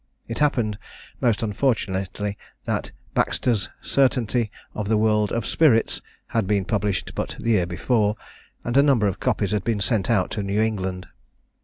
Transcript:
It happened, most unfortunately, that Baxter's "Certainty of the World of Spirits" had been published but the year before, and a number of copies had been sent out to New England.